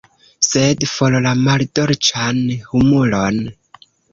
Sed for la maldolĉan humuron!